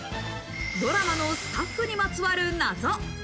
ドラマのスタッフにまつわる謎。